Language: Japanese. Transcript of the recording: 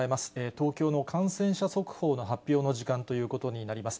東京の感染者速報の発表の時間ということになります。